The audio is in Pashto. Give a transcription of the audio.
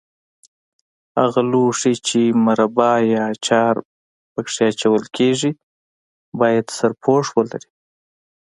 هغه لوښي چې مربا یا اچار په کې اچول کېږي باید سرپوښ ولري.